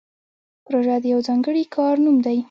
پروژه د یو ځانګړي کار نوم دی